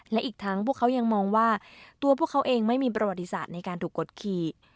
และอีกทั้งพวกเขายังมองว่าตัวพวกเขาเองไม่มีประวัติศาสตร์ในการถูกกดขี่